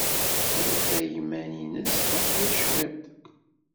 Tḥulfa i yiman-nnes teɛya cwiṭ.